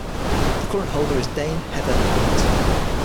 The current holder is Dame Heather Hallett.